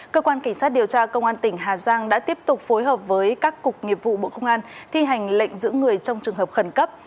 cơ quan cảnh sát điều tra công an tỉnh hà giang đã tiếp tục phối hợp với các cục nghiệp vụ bộ công an thi hành lệnh giữ người trong trường hợp khẩn cấp